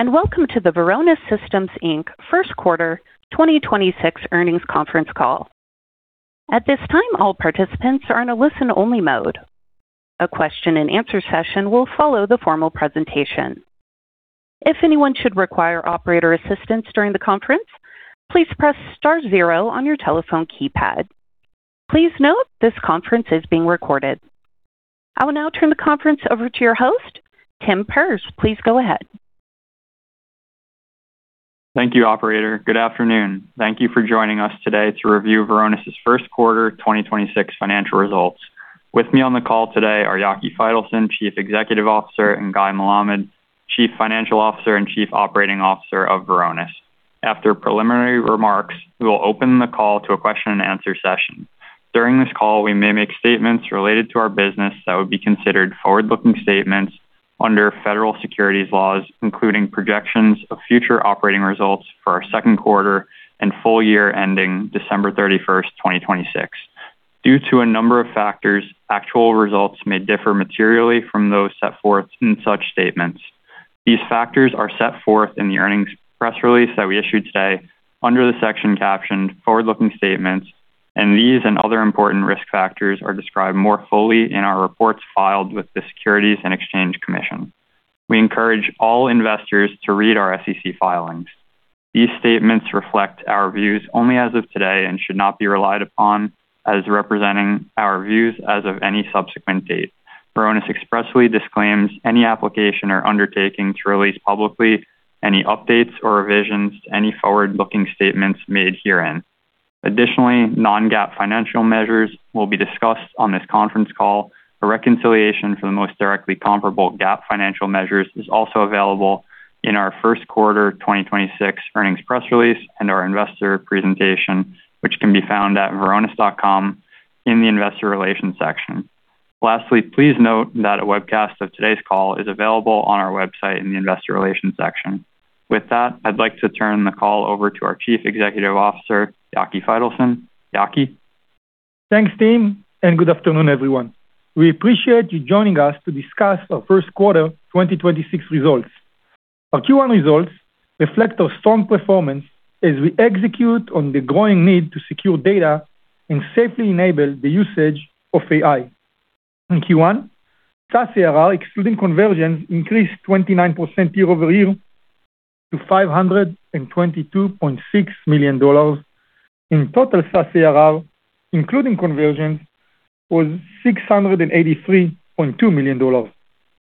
Welcome to the Varonis Systems Inc. first quarter 2026 earnings conference call. At this time, all participants are in a listen-only mode. A question and answer session will follow the formal presentation. If anyone should require operator assistance during the conference, please press star 0 on your telephone keypad. Please note this conference is being recorded. I will now turn the conference over to your host, Tim Perz. Please go ahead. Thank you, operator. Good afternoon. Thank you for joining us today to review Varonis' first quarter 2026 financial results. With me on the call today are Yaki Faitelson, Chief Executive Officer, and Guy Melamed, Chief Financial Officer and Chief Operating Officer of Varonis. After preliminary remarks, we will open the call to a question and answer session. During this call, we may make statements related to our business that would be considered forward-looking statements under federal securities laws, including projections of future operating results for our second quarter and full year ending December 31st, 2026. Due to a number of factors, actual results may differ materially from those set forth in such statements. These factors are set forth in the earnings press release that we issued today under the section captioned Forward-Looking Statements. These and other important risk factors are described more fully in our reports filed with the Securities and Exchange Commission. We encourage all investors to read our SEC filings. These statements reflect our views only as of today and should not be relied upon as representing our views as of any subsequent date. Varonis expressly disclaims any application or undertaking to release publicly any updates or revisions to any forward-looking statements made herein. Additionally, non-GAAP financial measures will be discussed on this conference call. A reconciliation for the most directly comparable GAAP financial measures is also available in our first quarter 2026 earnings press release and our investor presentation, which can be found at varonis.com in the investor relations section. Lastly, please note that a webcast of today's call is available on our website in the investor relations section. With that, I'd like to turn the call over to our Chief Executive Officer, Yaki Faitelson. Yaki? Thanks, Tim, and good afternoon, everyone. We appreciate you joining us to discuss our first quarter 2026 results. Our Q1 results reflect our strong performance as we execute on the growing need to secure data and safely enable the usage of AI. In Q1, SaaS ARR excluding conversions increased 29% year-over-year to $522.6 million. In total, SaaS ARR, including conversions, was $683.2 million.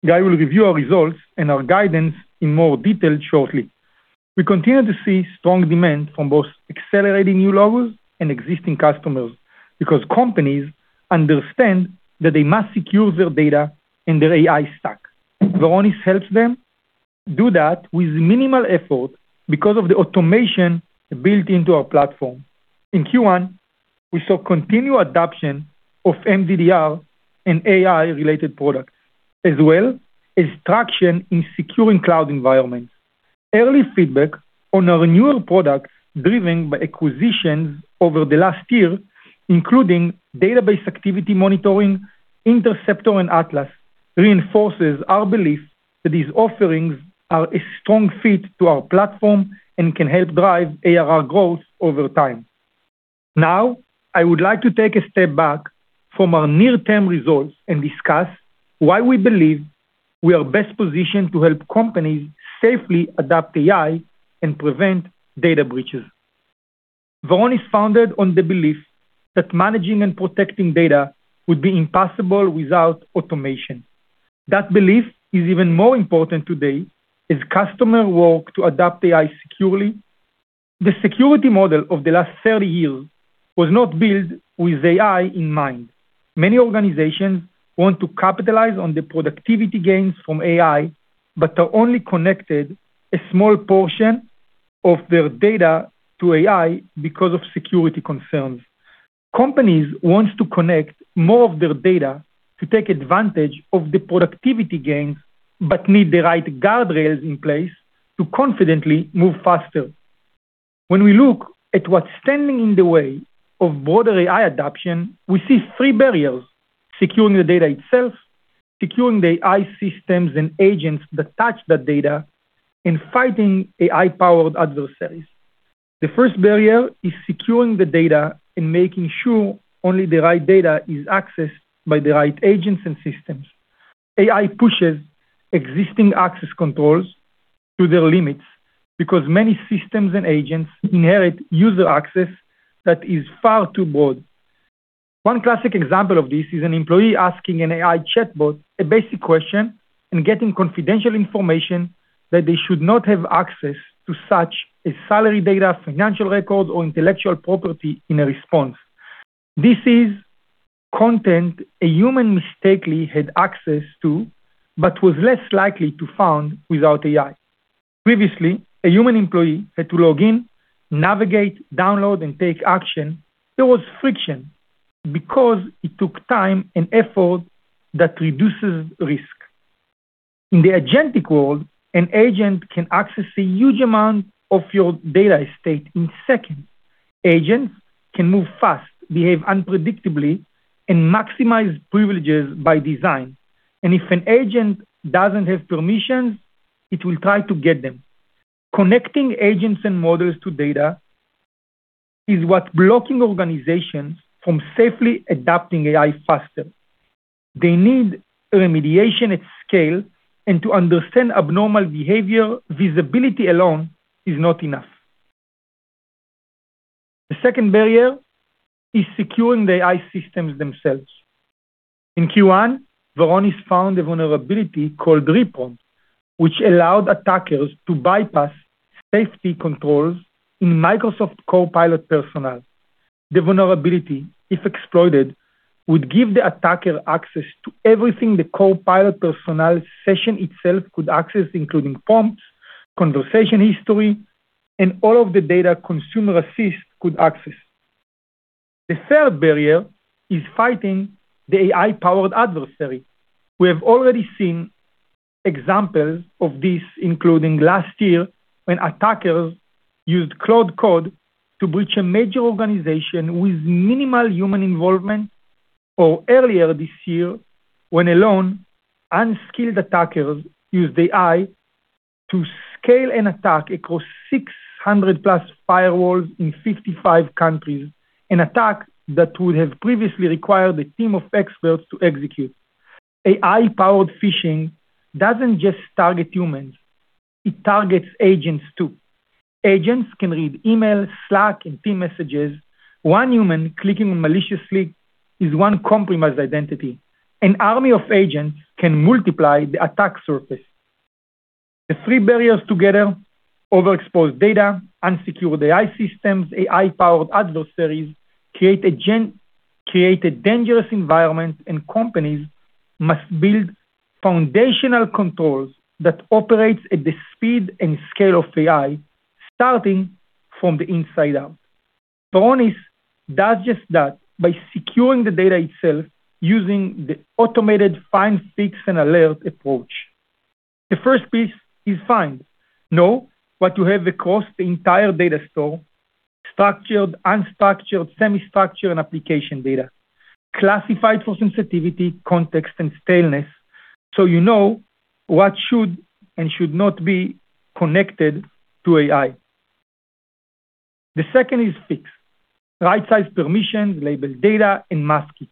Guy will review our results and our guidance in more detail shortly. We continue to see strong demand from both accelerating new logos and existing customers because companies understand that they must secure their data and their AI stack. Varonis helps them do that with minimal effort because of the automation built into our platform. In Q1, we saw continued adoption of MDDR and AI-related products as well as traction in securing cloud environments. Early feedback on our newer products driven by acquisitions over the last year, including database activity monitoring, Interceptor and Atlas, reinforces our belief that these offerings are a strong fit to our platform and can help drive ARR growth over time. Now, I would like to take a step back from our near-term results and discuss why we believe we are best positioned to help companies safely adopt AI and prevent data breaches. Varonis founded on the belief that managing and protecting data would be impossible without automation. That belief is even more important today as customer work to adopt AI securely. The security model of the last 30 years was not built with AI in mind. Many organizations want to capitalize on the productivity gains from AI, but have only connected a small portion of their data to AI because of security concerns. Companies want to connect more of their data to take advantage of the productivity gains but need the right guardrails in place to confidently move faster. When we look at what's standing in the way of broader AI adoption, we see three barriers, securing the data itself, securing the AI systems and agents that touch that data, and fighting AI-powered adversaries. The first barrier is securing the data and making sure only the right data is accessed by the right agents and systems. AI pushes existing access controls to their limits because many systems and agents inherit user access that is far too broad. One classic example of this is an employee asking an AI chatbot a basic question and getting confidential information that they should not have access to, such as salary data, financial records, or intellectual property in a response. This is content a human mistakenly had access to but was less likely to find without AI. Previously, a human employee had to log in, navigate, download, and take action. There was friction because it took time and effort that reduces risk. In the agentic world, an agent can access a huge amount of your data estate in seconds. Agents can move fast, behave unpredictably, and maximize privileges by design. If an agent doesn't have permissions, it will try to get them. Connecting agents and models to data is what blocking organizations from safely adapting AI faster. They need remediation at scale and to understand abnormal behavior, visibility alone is not enough. The second barrier is securing the AI systems themselves. In Q1, Varonis found a vulnerability called Reprompt, which allowed attackers to bypass safety controls in Microsoft Copilot Personal. The vulnerability, if exploited, would give the attacker access to everything the Copilot Personal session itself could access, including prompts, conversation history, and all of the data consumer assist could access. The third barrier is fighting the AI-powered adversary. We have already seen examples of this, including last year when attackers used Claude Code to breach a major organization with minimal human involvement, or earlier this year when alone unskilled attackers used AI to scale an attack across 600+ firewalls in 55 countries, an attack that would have previously required a team of experts to execute. AI-powered phishing doesn't just target humans, it targets agents too. Agents can read email, Slack, and team messages. One human clicking maliciously is one compromised identity. An army of agents can multiply the attack surface. The three barriers together, overexposed data, unsecured AI systems, AI-powered adversaries, create a dangerous environment. Companies must build foundational controls that operates at the speed and scale of AI, starting from the inside out. Varonis does just that by securing the data itself using the automated find, fix, and alert approach. The first piece is find. Know what you have across the entire data store, structured, unstructured, semi-structured, and application data, classified for sensitivity, context, and staleness. You know what should and should not be connected to AI. The second is fix. Right-size permissions, label data, and mask it.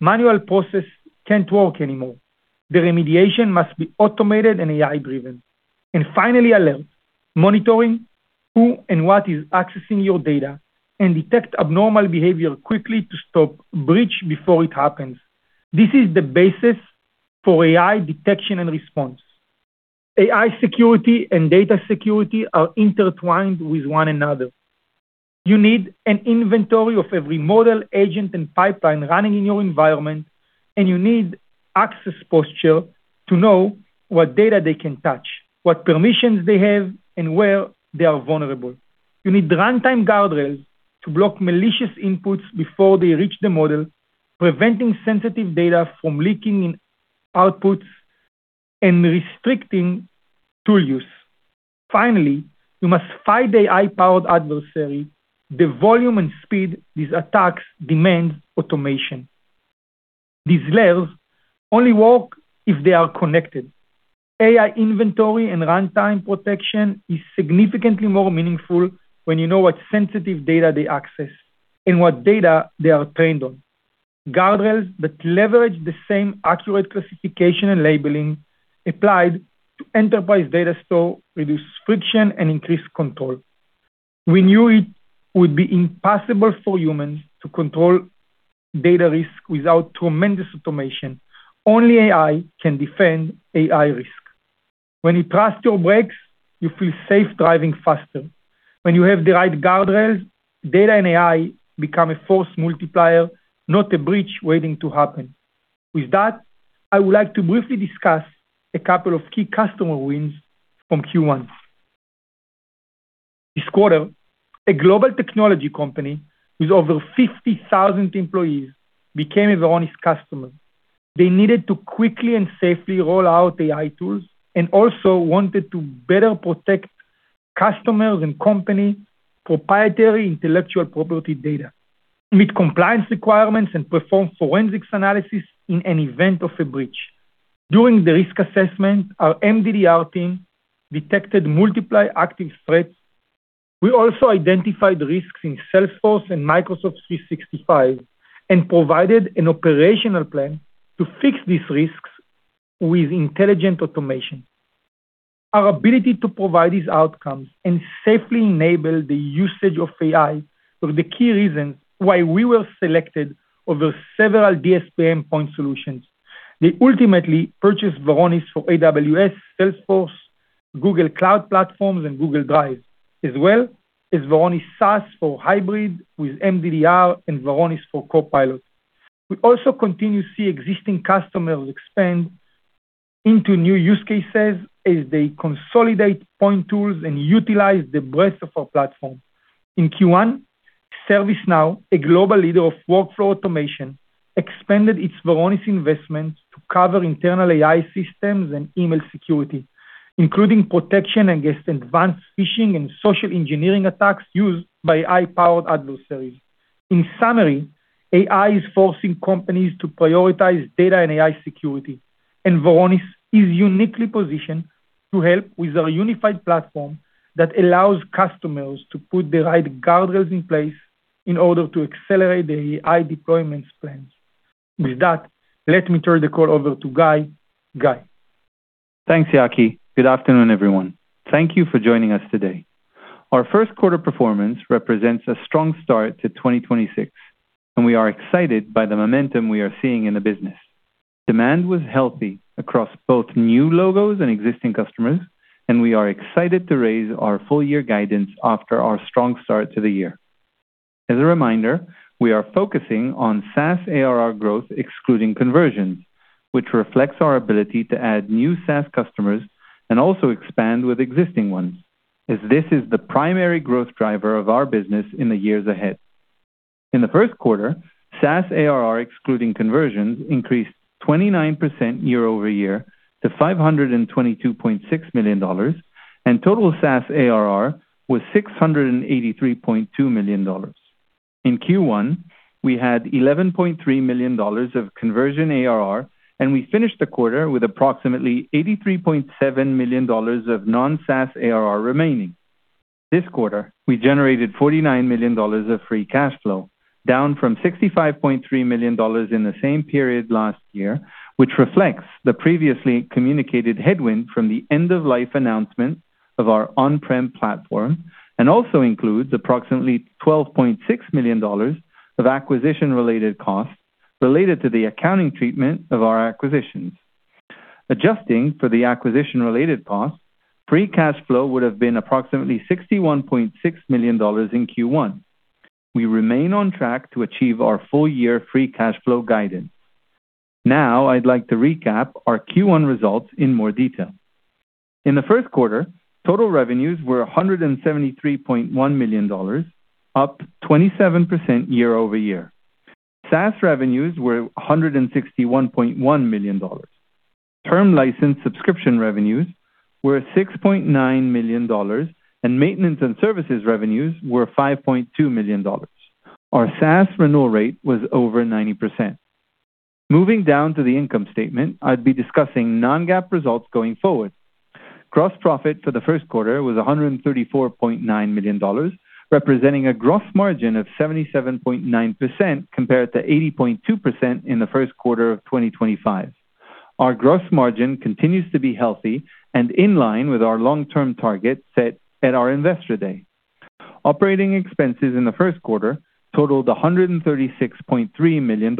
Manual process can't work anymore. The remediation must be automated and AI-driven. Finally, alert. Monitoring who and what is accessing your data and detect abnormal behavior quickly to stop breach before it happens. This is the basis for AI detection and response. AI security and data security are intertwined with one another. You need an inventory of every model, agent, and pipeline running in your environment, and you need access posture to know what data they can touch, what permissions they have, and where they are vulnerable. You need runtime guardrails to block malicious inputs before they reach the model, preventing sensitive data from leaking in outputs and restricting tool use. Finally, you must fight AI-powered adversary. The volume and speed these attacks demand automation. These layers only work if they are connected. AI inventory and runtime protection is significantly more meaningful when you know what sensitive data they access and what data they are trained on. Guardrails that leverage the same accurate classification and labeling applied to enterprise data store reduce friction and increase control. We knew it would be impossible for humans to control data risk without tremendous automation. Only AI can defend AI risk. When you trust your brakes, you feel safe driving faster. When you have the right guardrail, data and AI become a force multiplier, not a breach waiting to happen. With that, I would like to briefly discuss a couple of key customer wins from Q1. This quarter, a global technology company with over 50,000 employees became a Varonis customer. They needed to quickly and safely roll out AI tools and also wanted to better protect customers and company proprietary intellectual property data, meet compliance requirements, and perform forensics analysis in an event of a breach. During the risk assessment, our MDDR team detected multiple active threats. We also identified risks in Salesforce and Microsoft 365 and provided an operational plan to fix these risks with intelligent automation. Our ability to provide these outcomes and safely enable the usage of AI were the key reasons why we were selected over several DSPM point solutions. They ultimately purchased Varonis for AWS, Salesforce, Google Cloud platforms, and Google Drive, as well as Varonis SaaS for hybrid with MDDR and Varonis for Copilot. We also continue to see existing customers expand into new use cases as they consolidate point tools and utilize the breadth of our platform. In Q1, ServiceNow, a global leader of workflow automation, expanded its Varonis investments to cover internal AI systems and email security, including protection against advanced phishing and social engineering attacks used by high-powered adversaries. In summary, AI is forcing companies to prioritize data and AI security, and Varonis is uniquely positioned to help with our unified platform that allows customers to put the right guardrails in place in order to accelerate their AI deployments plans. With that, let me turn the call over to Guy. Guy? Thanks, Yaki. Good afternoon, everyone. Thank you for joining us today. Our first quarter performance represents a strong start to 2026, and we are excited by the momentum we are seeing in the business. Demand was healthy across both new logos and existing customers, and we are excited to raise our full year guidance after our strong start to the year. As a reminder, we are focusing on SaaS ARR growth excluding conversions, which reflects our ability to add new SaaS customers and also expand with existing ones, as this is the primary growth driver of our business in the years ahead. In the first quarter, SaaS ARR excluding conversions increased 29% year-over-year to $522.6 million, and total SaaS ARR was $683.2 million. In Q1, we had $11.3 million of conversion ARR, we finished the quarter with approximately $83.7 million of non-SaaS ARR remaining. This quarter, we generated $49 million of free cash flow, down from $65.3 million in the same period last year, which reflects the previously communicated headwind from the end of life announcement of our on-prem platform and also includes approximately $12.6 million of acquisition-related costs related to the accounting treatment of our acquisitions. Adjusting for the acquisition-related costs, free cash flow would have been approximately $61.6 million in Q1. We remain on track to achieve our full year free cash flow guidance. I'd like to recap our Q1 results in more detail. In the first quarter, total revenues were $173.1 million, up 27% year-over-year. SaaS revenues were $161.1 million. Term license subscription revenues were $6.9 million, and maintenance and services revenues were $5.2 million. Our SaaS renewal rate was over 90%. Moving down to the income statement, I'll be discussing non-GAAP results going forward. Gross profit for the first quarter was $134.9 million, representing a gross margin of 77.9% compared to 80.2% in the first quarter of 2025. Our gross margin continues to be healthy and in line with our long-term target set at our Investor Day. Operating expenses in the first quarter totaled $136.3 million.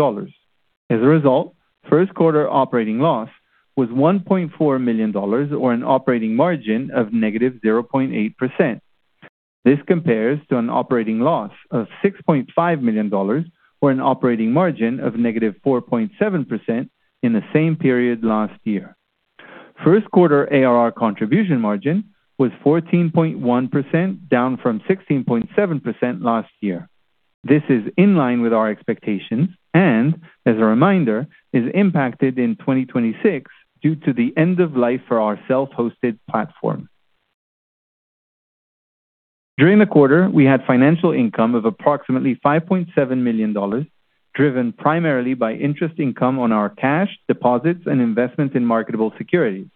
As a result, first quarter operating loss was $1.4 million or an operating margin of negative 0.8%. This compares to an operating loss of $6.5 million or an operating margin of negative 4.7% in the same period last year. First quarter ARR contribution margin was 14.1%, down from 16.7% last year. This is in line with our expectations and, as a reminder, is impacted in 2026 due to the end of life for our self-hosted platform. During the quarter, we had financial income of approximately $5.7 million, driven primarily by interest income on our cash, deposits and investments in marketable securities.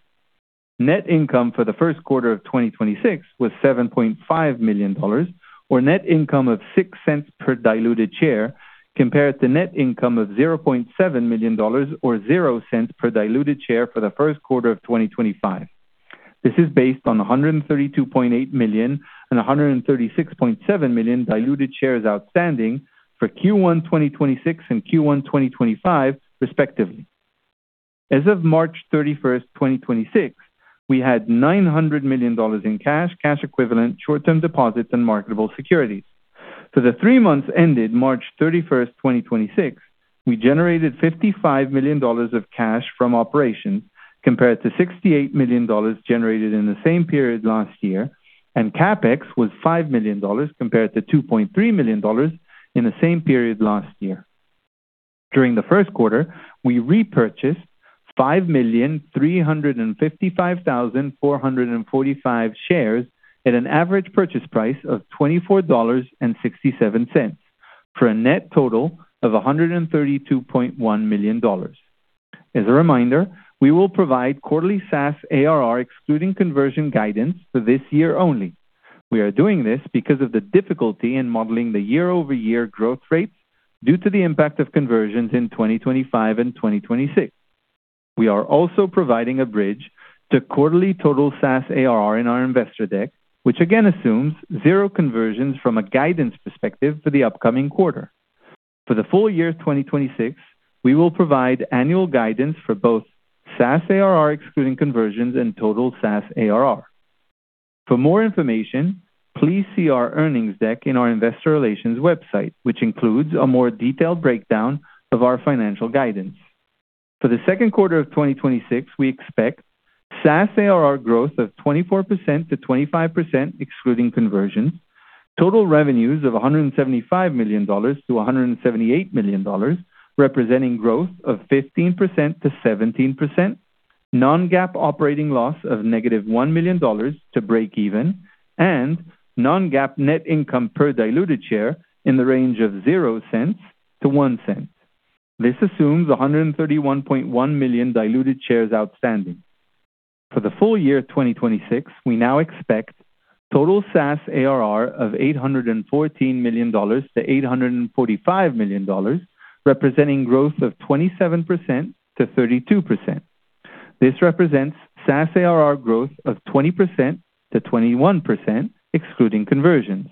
Net income for the first quarter of 2026 was $7.5 million or net income of $0.06 per diluted share, compared to net income of $0.7 million or $0.00 per diluted share for the first quarter of 2025. This is based on 132.8 million and 136.7 million diluted shares outstanding for Q1 2026 and Q1 2025 respectively. As of March 31, 2026, we had $900 million in cash equivalent, short-term deposits and marketable securities. For the three months ended March 31, 2026, we generated $55 million of cash from operations compared to $68 million generated in the same period last year, and CapEx was $5 million compared to $2.3 million in the same period last year. During the first quarter, we repurchased 5,355,445 shares at an average purchase price of $24.67 for a net total of $132.1 million. As a reminder, we will provide quarterly SaaS ARR excluding conversions guidance for this year only. We are doing this because of the difficulty in modeling the year-over-year growth rates due to the impact of conversions in 2025 and 2026. We are also providing a bridge to quarterly total SaaS ARR in our investor deck, which again assumes zero conversions from a guidance perspective for the upcoming quarter. For the full year 2026, we will provide annual guidance for both SaaS ARR excluding conversions and total SaaS ARR. For more information, please see our earnings deck in our investor relations website, which includes a more detailed breakdown of our financial guidance. For the second quarter of 2026, we expect SaaS ARR growth of 24%-25% excluding conversions. Total revenues of $175 million-$178 million, representing growth of 15%-17%. non-GAAP operating loss of -$1 million to break even. non-GAAP net income per diluted share in the range of $0.00-$0.01. This assumes 131.1 million diluted shares outstanding. For the full year 2026, we now expect total SaaS ARR of $814 million-$845 million, representing growth of 27%-32%. This represents SaaS ARR growth of 20%-21% excluding conversions.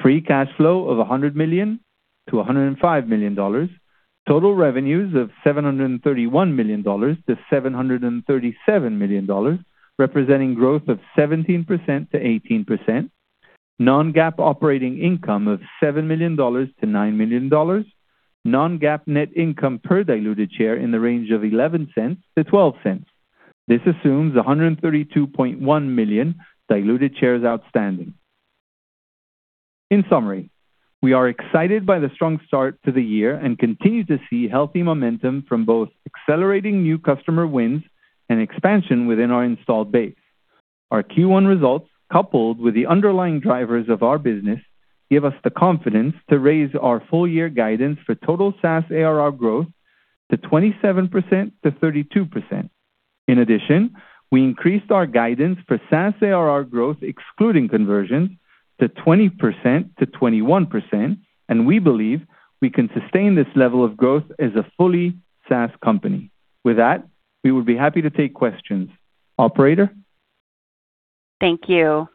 Free cash flow of $100 million-$105 million. Total revenues of $731 million-$737 million, representing growth of 17%-18%. Non-GAAP operating income of $7 million-$9 million. Non-GAAP net income per diluted share in the range of $0.11-$0.12. This assumes 132.1 million diluted shares outstanding. In summary, we are excited by the strong start to the year and continue to see healthy momentum from both accelerating new customer wins and expansion within our installed base. Our Q1 results, coupled with the underlying drivers of our business, give us the confidence to raise our full year guidance for total SaaS ARR growth to 27%-32%. In addition, we increased our guidance for SaaS ARR growth, excluding conversions to 20%-21%, and we believe we can sustain this level of growth as a fully SaaS company. With that, we would be happy to take questions. Operator? Thank you.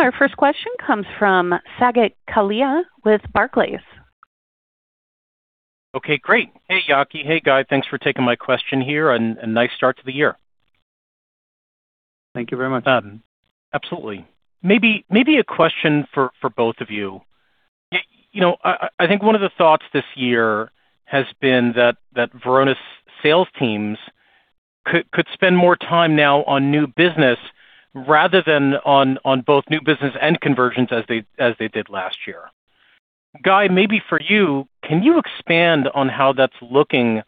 Our first question comes from Saket Kalia with Barclays. Okay, great. Hey, Yaki. Hey, Guy. Thanks for taking my question here. Nice start to the year. Thank you very much. Absolutely. Maybe a question for both of you. You know, I think one of the thoughts this year has been that Varonis sales teams could spend more time now on new business rather than on both new business and conversions as they did last year. Guy, maybe for you, can you expand on how that's looking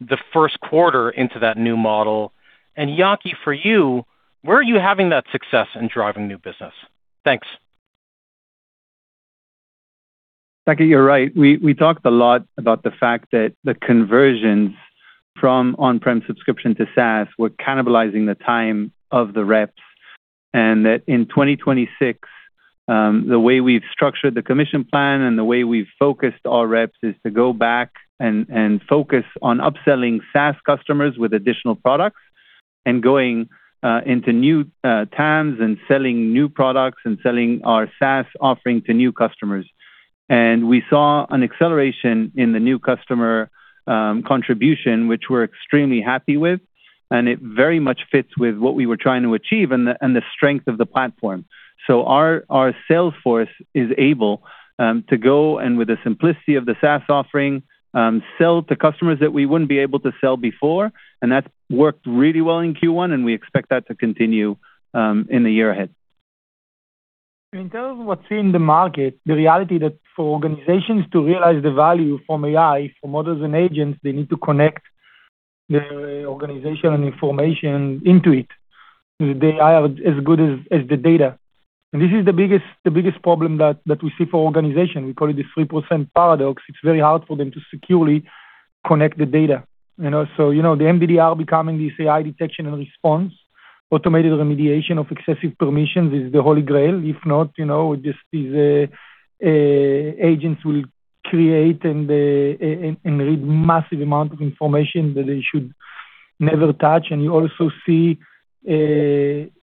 the first quarter into that new model? Yaki, for you, where are you having that success in driving new business? Thanks. Saket, you're right. We talked a lot about the fact that the conversions from on-prem subscription to SaaS were cannibalizing the time of the reps, that in 2026, the way we've structured the commission plan and the way we've focused our reps is to go back and focus on upselling SaaS customers with additional products and going into new TAMs and selling new products and selling our SaaS offering to new customers. We saw an acceleration in the new customer contribution, which we're extremely happy with, and it very much fits with what we were trying to achieve and the strength of the platform. Our sales force is able to go, and with the simplicity of the SaaS offering, sell to customers that we wouldn't be able to sell before, and that's worked really well in Q1, and we expect that to continue in the year ahead. In terms of what's in the market, the reality that for organizations to realize the value from AI, from models and agents, they need to connect their organization and information into it. The AI is as good as the data. This is the biggest problem that we see for organization. We call it the 3% paradox. It's very hard for them to securely connect the data. You know, the MDDR becoming this AI detection and response, automated remediation of excessive permissions is the holy grail. If not, you know, just these agents will create and read massive amount of information that they should never touch. You also see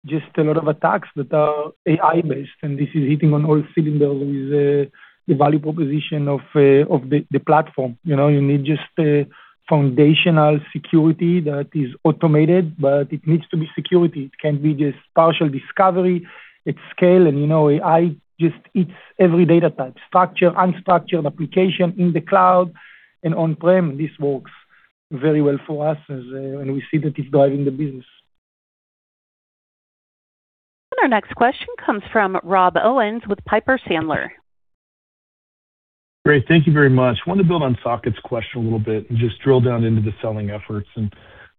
just a lot of attacks that are AI-based, this is hitting on all cylinders with the value proposition of the platform. You know, you need just a foundational security that is automated, but it needs to be security. It can't be just partial discovery. It's scale, and you know, AI just eats every data type. Structure, unstructured application in the cloud and on-prem, this works very well for us as. We see that it's driving the business. Our next question comes from Rob Owens with Piper Sandler. Great. Thank you very much. Wanted to build on Saket's question a little bit and just drill down into the selling efforts.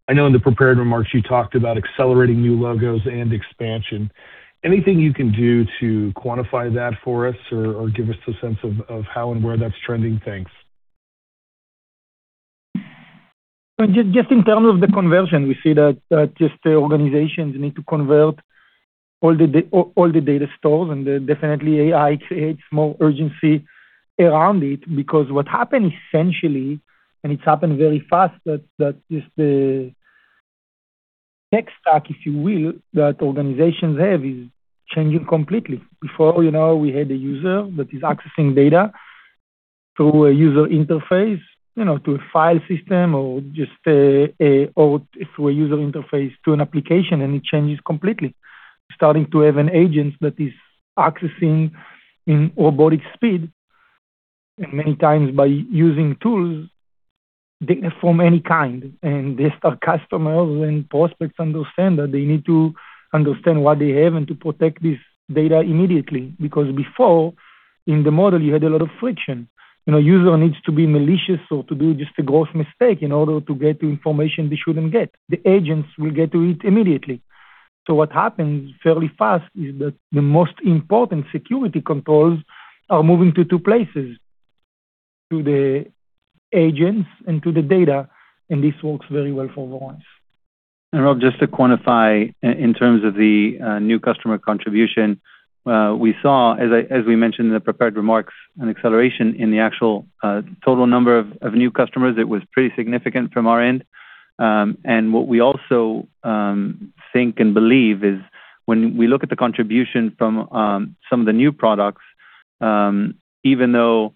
I know in the prepared remarks you talked about accelerating new logos and expansion. Anything you can do to quantify that for us or give us a sense of how and where that's trending? Thanks. Well, just in terms of the conversion, we see that, just the organizations need to convert all the data stores, and, definitely AI creates more urgency around it because what happened essentially, and it's happened very fast, that just the next stack, if you will, that organizations have is changing completely. Before, you know, we had a user that is accessing data through a user interface, you know, to a file system or just a or through a user interface to an application, and it changes completely. Starting to have an agent that is accessing in robotic speed, and many times by using tools, data from any kind. Customers and prospects understand that they need to understand what they have and to protect this data immediately. Because before, in the model, you had a lot of friction. You know, user needs to be malicious or to do just a gross mistake in order to get the information they shouldn't get. The agents will get to it immediately. What happens fairly fast is that the most important security controls are moving to two places, to the agents and to the data, and this works very well for Varonis. Rob, just to quantify in terms of the new customer contribution, we saw, as we mentioned in the prepared remarks, an acceleration in the actual total number of new customers. It was pretty significant from our end. What we also think and believe is when we look at the contribution from some of the new products, even though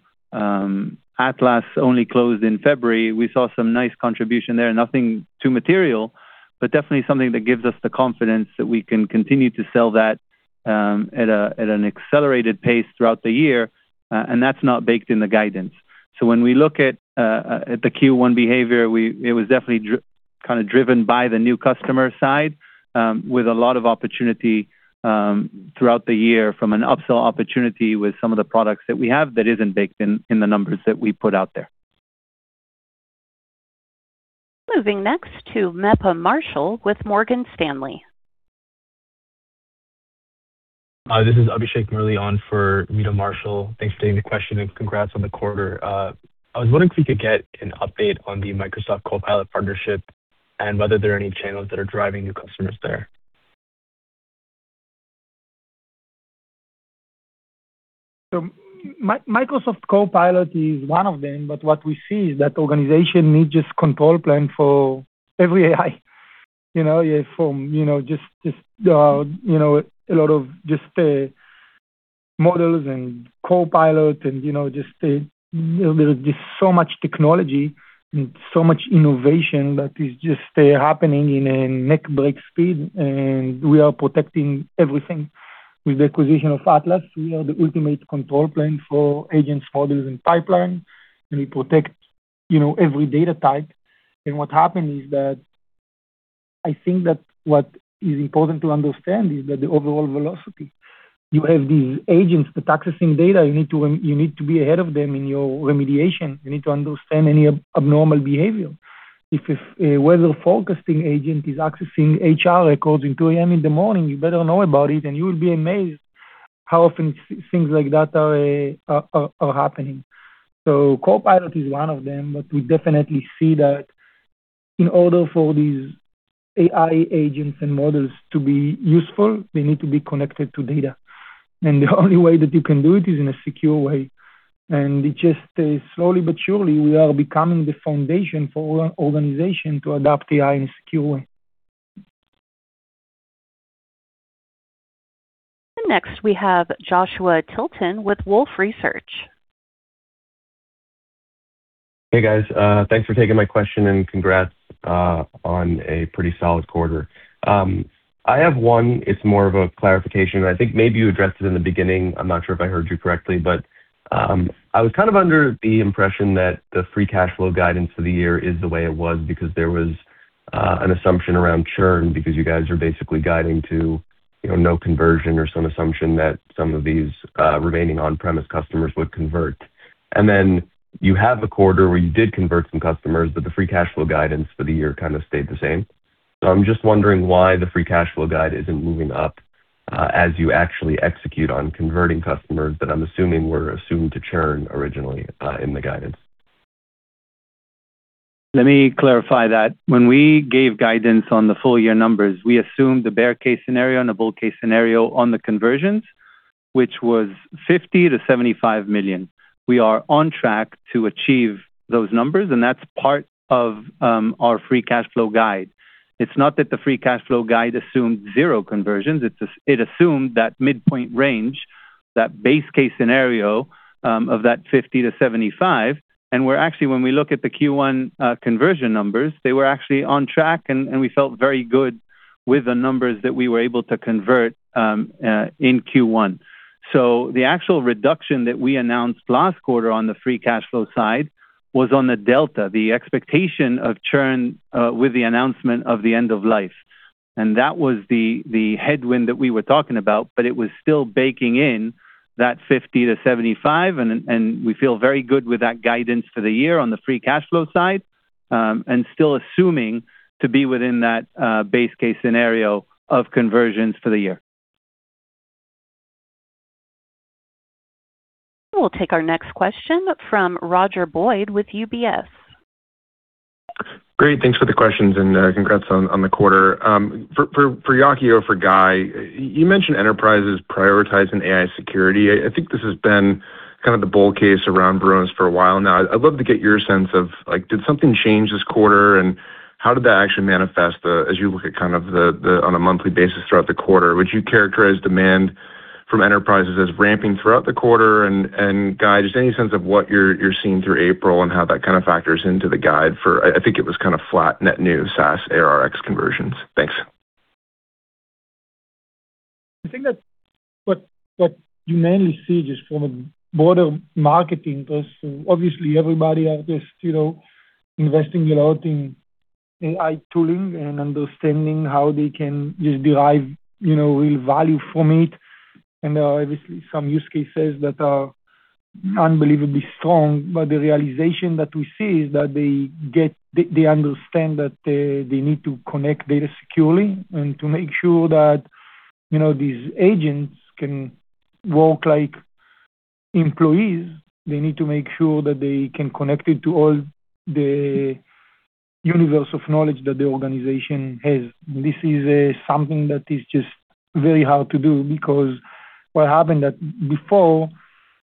Atlas only closed in February, we saw some nice contribution there, nothing too material, but definitely something that gives us the confidence that we can continue to sell that at an accelerated pace throughout the year, and that's not baked in the guidance. When we look at the Q1 behavior, it was definitely driven by the new customer side, with a lot of opportunity throughout the year from an upsell opportunity with some of the products that we have that isn't baked in the numbers that we put out there. Moving next to Meta Marshall with Morgan Stanley. This is Abhishek Murali on for Meta Marshall. Thanks for taking the question, and congrats on the quarter. I was wondering if we could get an update on the Microsoft Copilot partnership and whether there are any channels that are driving new customers there. Microsoft Copilot is one of them, but what we see is that organization needs this control plan for every AI, you know, from, you know, just, you know, a lot of just models and Copilot and, you know, just there's so much technology and so much innovation that is just happening in a neck-break speed, and we are protecting everything. With the acquisition of Atlas, we are the ultimate control plan for agents, models, and pipeline, and we protect, you know, every data type. What happened is that I think that what is important to understand is that the overall velocity, you have these agents that accessing data, you need to be ahead of them in your remediation. You need to understand any abnormal behavior. If a weather forecasting agent is accessing HR records in 2:00 A.M. in the morning, you better know about it, and you will be amazed how often things like that are happening. Copilot is one of them, but we definitely see that in order for these AI agents and models to be useful, they need to be connected to data. The only way that you can do it is in a secure way. It just, slowly but surely, we are becoming the foundation for organization to adopt AI in a secure way. Next, we have Joshua Tilton with Wolfe Research. Hey, guys. Thanks for taking my question, and congrats on a pretty solid quarter. I have one, it's more of a clarification. I think maybe you addressed it in the beginning. I'm not sure if I heard you correctly. I was kind of under the impression that the free cash flow guidance for the year is the way it was because there was an assumption around churn because you guys are basically guiding to, you know, no conversion or some assumption that some of these remaining on-premise customers would convert. You have a quarter where you did convert some customers, but the free cash flow guidance for the year kind of stayed the same. I'm just wondering why the free cash flow guide isn't moving up, as you actually execute on converting customers that I'm assuming were assumed to churn originally, in the guidance. Let me clarify that. When we gave guidance on the full year numbers, we assumed the bear case scenario and a bull case scenario on the conversions, which was $50 million-$75 million. We are on track to achieve those numbers, and that's part of our free cash flow guide. It's not that the free cash flow guide assumed zero conversions, it assumed that midpoint range, that base case scenario, of that $50 million-$75 million. We're actually, when we look at the Q1 conversion numbers, they were actually on track, and we felt very good with the numbers that we were able to convert in Q1. The actual reduction that we announced last quarter on the free cash flow side was on the delta, the expectation of churn with the announcement of the end of life. That was the headwind that we were talking about, but it was still baking in that $50 million-$75 million, and we feel very good with that guidance for the year on the free cash flow side, and still assuming to be within that base case scenario of conversions for the year. We'll take our next question from Roger Boyd with UBS. Great. Thanks for the questions, and congrats on the quarter. For Yaki or for Guy, you mentioned enterprises prioritizing AI security. I think this has been Kind of the bull case around Varonis for a while now. I'd love to get your sense of, like, did something change this quarter, how did that actually manifest as you look at kind of the on a monthly basis throughout the quarter? Would you characterize demand from enterprises as ramping throughout the quarter? Guy, just any sense of what you're seeing through April and how that kind of factors into the guide for. I think it was kind of flat net new SaaS ARR ex conversions. Thanks. I think that what you mainly see just from a broader marketing perspective, obviously everybody out there is, you know, investing a lot in AI tooling and understanding how they can just derive, you know, real value from it. There are obviously some use cases that are unbelievably strong, but the realization that we see is that they understand that they need to connect data securely and to make sure that, you know, these agents can work like employees. They need to make sure that they can connect it to all the universe of knowledge that the organization has. This is something that is just very hard to do because what happened that before,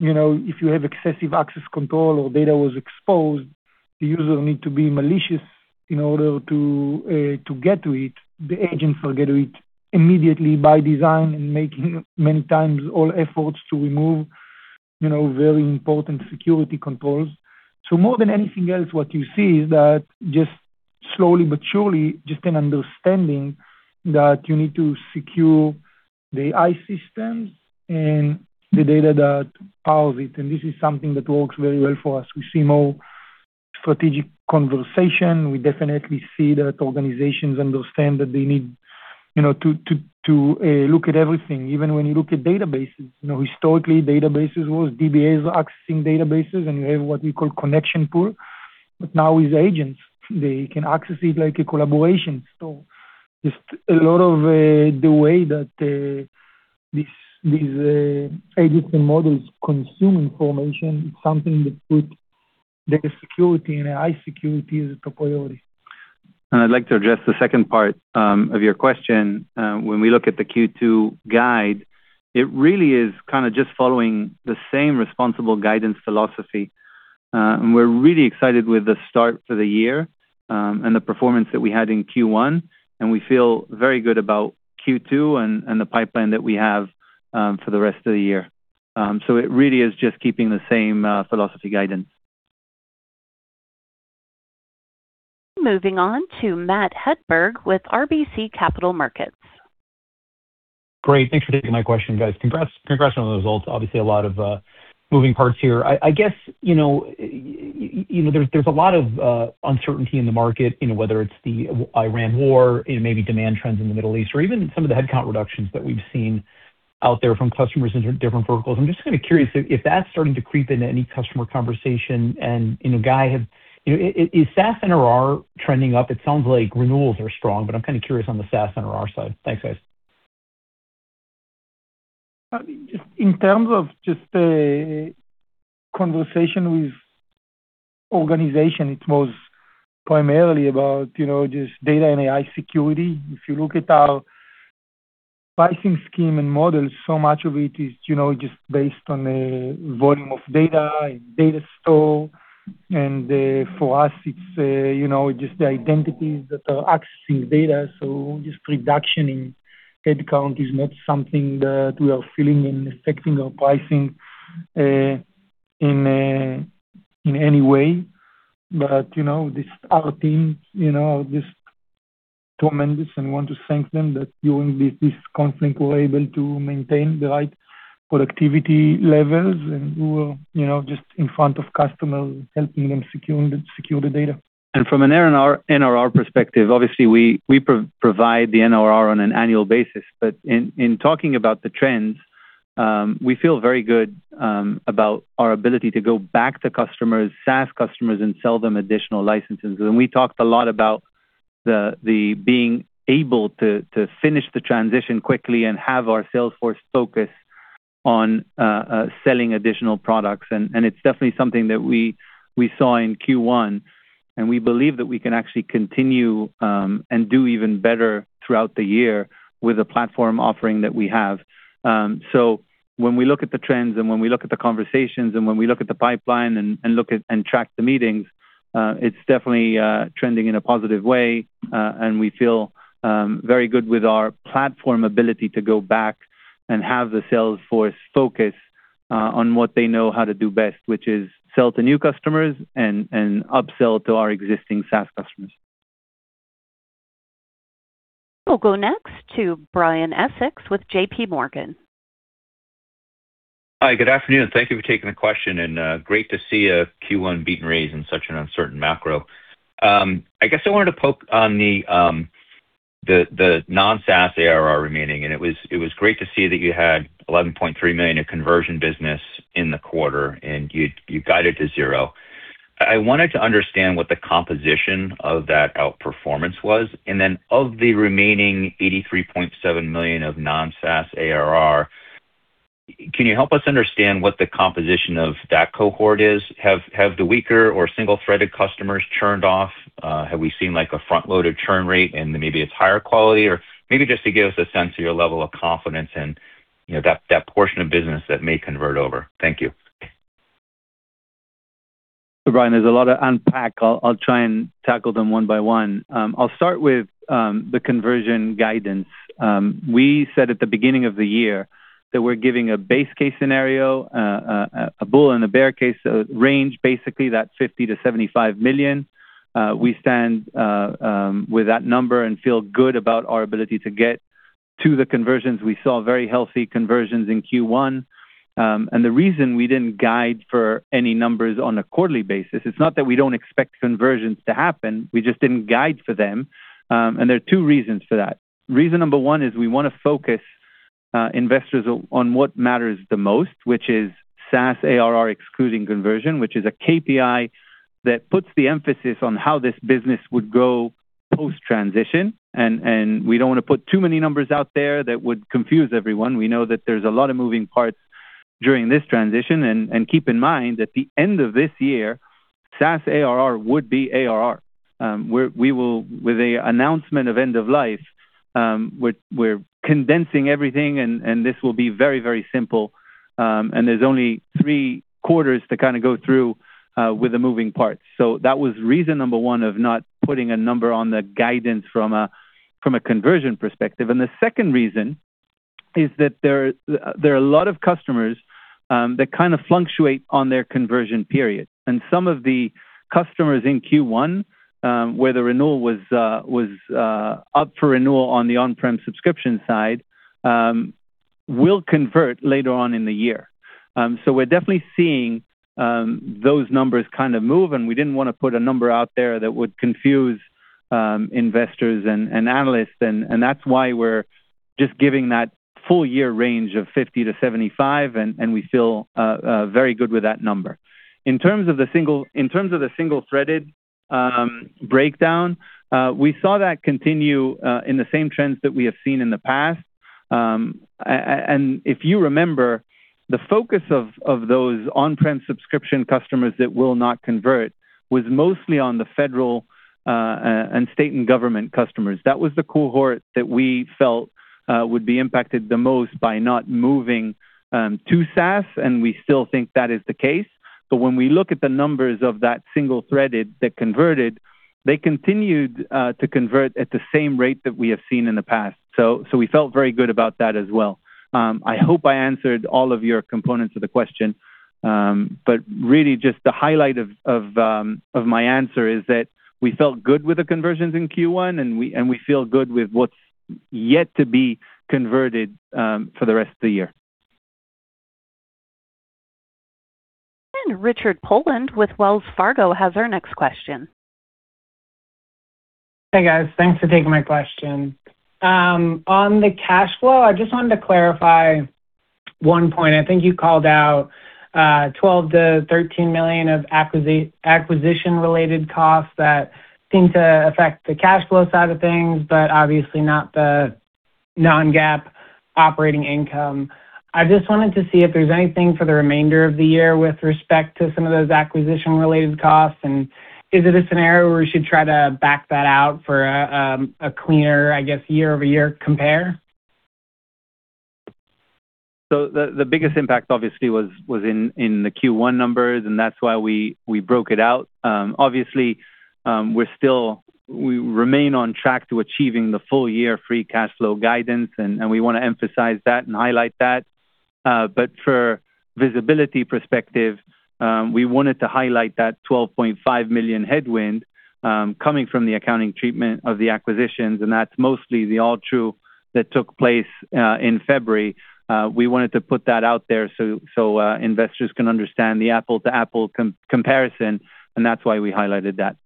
you know, if you have excessive access control or data was exposed, the user need to be malicious in order to get to it. The agents will get to it immediately by design and making many times all efforts to remove, you know, very important security controls. More than anything else, what you see is that just slowly but surely, just an understanding that you need to secure the AI systems and the data that powers it. This is something that works very well for us. We see more strategic conversation. We definitely see that organizations understand that they need, you know, to look at everything. Even when you look at databases, you know, historically, databases was DBAs accessing databases, and you have what we call connection pool. Now with agents, they can access it like a collaboration. Just a lot of the way that these agent and models consume information, it's something that put data security and AI security as a top priority. I'd like to address the second part of your question. When we look at the Q2 guide, it really is kind of just following the same responsible guidance philosophy. We're really excited with the start for the year and the performance that we had in Q1, and we feel very good about Q2 and the pipeline that we have for the rest of the year. It really is just keeping the same philosophy guidance. Moving on to Matt Hedberg with RBC Capital Markets. Great. Thanks for taking my question, guys. Congrats on the results. Obviously, a lot of moving parts here. I guess, you know, you know, there's a lot of uncertainty in the market, you know, whether it's the Iran war and maybe demand trends in the Middle East or even some of the headcount reductions that we've seen out there from customers in different verticals. I'm just kind of curious if that's starting to creep into any customer conversation. You know, Guy, you know, is SaaS NRR trending up? It sounds like renewals are strong, I'm kind of curious on the SaaS NRR side. Thanks, guys. Just in terms of just a conversation with organization, it was primarily about, you know, just data and AI security. If you look at our pricing scheme and models, so much of it is, you know, just based on volume of data and data store. For us, it's, you know, just the identities that are accessing data. Just reduction in headcount is not something that we are feeling and affecting our pricing in any way. Our team, you know, just tremendous, and want to thank them that during this conflict, we're able to maintain the right productivity levels. We were, you know, just in front of customers, helping them secure the data. From an NRR perspective, we provide the NRR on an annual basis. In talking about the trends, we feel very good about our ability to go back to customers, SaaS customers, and sell them additional licenses. We talked a lot about the being able to finish the transition quickly and have our sales force focus on selling additional products. It's definitely something that we saw in Q1, and we believe that we can continue and do even better throughout the year with the platform offering that we have. When we look at the trends and when we look at the conversations and when we look at the pipeline and track the meetings, it's definitely trending in a positive way. We feel very good with our platform ability to go back and have the sales force focus on what they know how to do best, which is sell to new customers and upsell to our existing SaaS customers. We'll go next to Brian Essex with J.P. Morgan. Hi, good afternoon. Thank you for taking the question, great to see a Q1 beat and raise in such an uncertain macro. I guess I wanted to poke on the non-SaaS ARR remaining, it was great to see that you had $11.3 million in conversion business in the quarter, you guided to 0. I wanted to understand what the composition of that outperformance was. Of the remaining $83.7 million of non-SaaS ARR, can you help us understand what the composition of that cohort is? Have the weaker or single-threaded customers churned off? Have we seen like a front-loaded churn rate and maybe it's higher quality? Or maybe just to give us a sense of your level of confidence in, you know, that portion of business that may convert over. Thank you. Brian, there's a lot to unpack. I'll try and tackle them one by one. I'll start with the conversion guidance. We said at the beginning of the year that we're giving a base case scenario, a bull and a bear case range basically, that's $50 million-$75 million. We stand with that number and feel good about our ability to get to the conversions. We saw very healthy conversions in Q1. The reason we didn't guide for any numbers on a quarterly basis, it's not that we don't expect conversions to happen, we just didn't guide for them. There are two reasons for that. Reason number 1 is we wanna focus investors on what matters the most, which is SaaS ARR excluding conversion, which is a KPI that puts the emphasis on how this business would go post-transition. We don't wanna put too many numbers out there that would confuse everyone. We know that there's a lot of moving parts during this transition. Keep in mind, at the end of this year, SaaS ARR would be ARR. With the announcement of end of life, we're condensing everything and this will be very, very simple. There's only 3 quarters to kind of go through with the moving parts. That was reason number 1 of not putting a number on the guidance from a conversion perspective. The second reason is that there are a lot of customers that kind of fluctuate on their conversion period. Some of the customers in Q1, where the renewal was up for renewal on the on-prem subscription side, will convert later on in the year. We're definitely seeing those numbers kind of move, and we didn't wanna put a number out there that would confuse investors and analysts. That's why we're just giving that full year range of 50-75, and we feel very good with that number. In terms of the single-threaded breakdown, we saw that continue in the same trends that we have seen in the past. If you remember, the focus of those on-prem subscription customers that will not convert was mostly on the federal, and state and government customers. That was the cohort that we felt would be impacted the most by not moving to SaaS, and we still think that is the case. When we look at the numbers of that single-threaded that converted, they continued to convert at the same rate that we have seen in the past. We felt very good about that as well. I hope I answered all of your components of the question. Really just the highlight of my answer is that we felt good with the conversions in Q1, and we feel good with what's yet to be converted for the rest of the year. Richard Poland with Wells Fargo has our next question. Hey, guys. Thanks for taking my question. On the cash flow, I just wanted to clarify one point. I think you called out $12 million-$13 million of acquisition-related costs that seem to affect the cash flow side of things, but obviously not the non-GAAP operating income. I just wanted to see if there's anything for the remainder of the year with respect to some of those acquisition-related costs, and is it a scenario where we should try to back that out for a cleaner, I guess, year-over-year compare? The biggest impact obviously was in the Q1 numbers, and that's why we broke it out. Obviously, we remain on track to achieving the full year free cash flow guidance, and we want to emphasize that and highlight that. For visibility perspective, we wanted to highlight that $12.5 million headwind coming from the accounting treatment of the acquisitions, and that's mostly the AllTrue.ai that took place in February. We wanted to put that out there so investors can understand the apple-to-apple comparison, and that's why we highlighted that.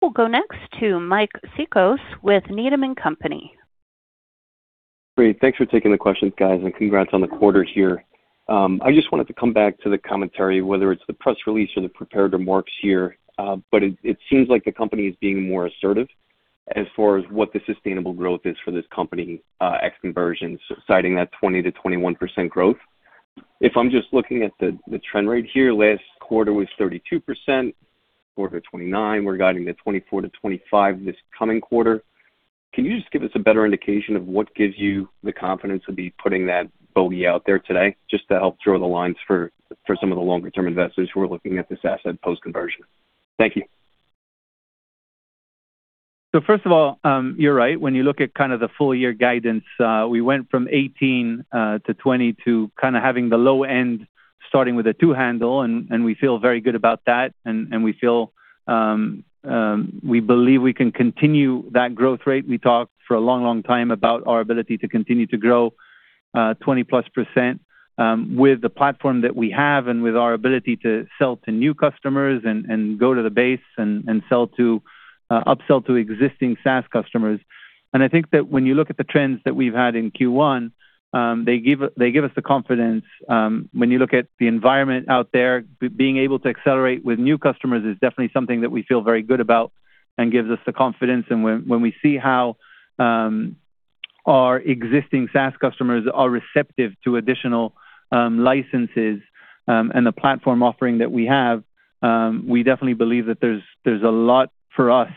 We'll go next to Mike Cikos with Needham & Company. Great. Thanks for taking the questions, guys, and congrats on the quarter here. I just wanted to come back to the commentary, whether it's the press release or the prepared remarks here. It seems like the company is being more assertive as far as what the sustainable growth is for this company, ex conversions, citing that 20%-21% growth. If I'm just looking at the trend rate here, last quarter was 32%, quarter 29%, we're guiding to 24%-25% this coming quarter. Can you just give us a better indication of what gives you the confidence to be putting that bogey out there today just to help draw the lines for some of the longer-term investors who are looking at this asset post-conversion? Thank you. First of all, you're right. When you look at kind of the full year guidance, we went from 18 to 20 to kind of having the low end starting with a 2 handle, and we feel very good about that. We feel we believe we can continue that growth rate. We talked for a long, long time about our ability to continue to grow, 20%+ with the platform that we have and with our ability to sell to new customers and go to the base and upsell to existing SaaS customers. I think that when you look at the trends that we've had in Q1, they give us the confidence, when you look at the environment out there, being able to accelerate with new customers is definitely something that we feel very good about and gives us the confidence. When we see how our existing SaaS customers are receptive to additional licenses, and the platform offering that we have, we definitely believe that there's a lot for us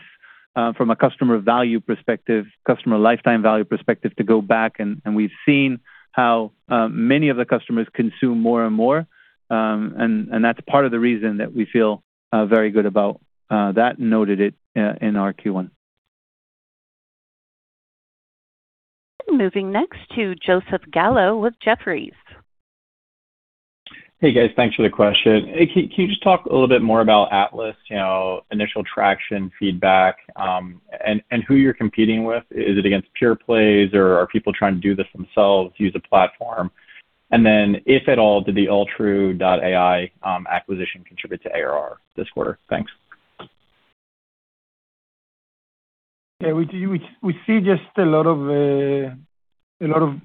from a customer value perspective, customer lifetime value perspective to go back and we've seen how many of the customers consume more and more. That's part of the reason that we feel very good about that noted it in our Q1. Moving next to Joseph Gallo with Jefferies. Hey, guys. Thanks for the question. Hey, can you just talk a little bit more about Atlas, you know, initial traction, feedback, and who you're competing with? Is it against pure plays, or are people trying to do this themselves, use a platform? And then if at all, did the AllTrue.ai acquisition contribute to ARR this quarter? Thanks. Yeah. We see just a lot of